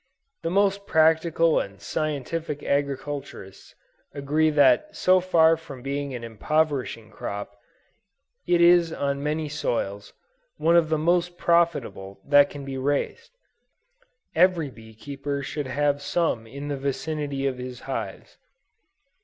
The most practical and scientific agriculturists agree that so far from being an impoverishing crop, it is on many soils, one of the most profitable that can be raised. Every bee keeper should have some in the vicinity of his hives.